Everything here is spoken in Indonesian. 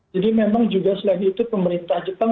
jadi memang juga selain itu pemerintah jepang